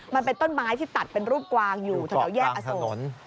นี่เป็นต้นไม้ที่ตัดเป็นรูปกวางอยู่อยู่กล่อกลางถนน